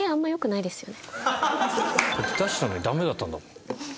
だって出したのにダメだったんだもん。